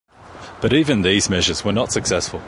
But even these measures were not successful.